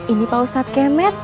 ini pak ustadz kemet